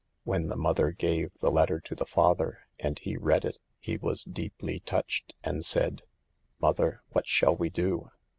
When the mother gave the letter to the father and he read it, he was deeply touched and said :" Mother, what shall we do."